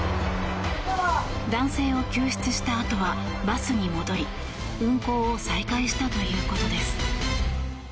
男性を救出したあとはバスに戻り運行を再開したということです。